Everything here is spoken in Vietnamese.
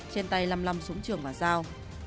trên tay lăm lăm súng trường và dao